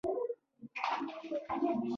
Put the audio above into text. سروې د هېواد په دفاعي چارو کې ډېره مرسته کوي